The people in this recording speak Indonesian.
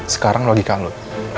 sekarang logika lo